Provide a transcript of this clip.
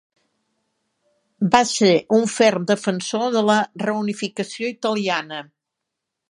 Va ser un ferm defensor de la Reunificació italiana.